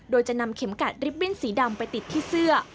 โดยจะนำเข็มกัดริบบิ้นสีดำไปติดที่เสื้อ